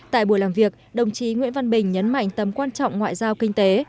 tại buổi làm việc đồng chí nguyễn văn bình nhấn mạnh tầm quan trọng ngoại giao kinh tế